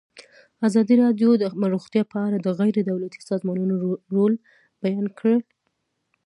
ازادي راډیو د روغتیا په اړه د غیر دولتي سازمانونو رول بیان کړی.